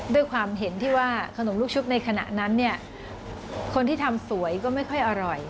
ด้วยความเห็นที่ว่าขนมลูกชุบในขณะนั้นเนี่ยคนที่ทำสวยก็ไม่ค่อยอร่อย